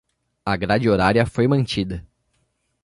A grade horária foi mantida